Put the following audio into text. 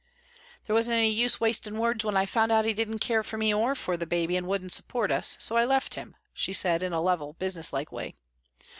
"There wasn't any use wasting words when I found he didn't care for me or for the baby and wouldn't support us, so I left him," she said in a level, businesslike way.